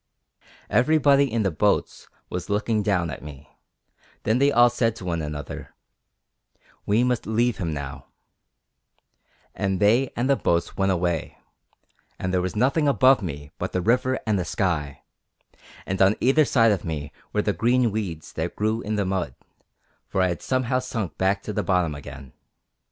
Everybody in the boats was looking down at me; then they all said to one another, 'We must leave him now,' and they and the boats went away; and there was nothing above me but the river and the sky, and on either side of me were the green weeds that grew in the mud, for I had somehow sunk back to the bottom again.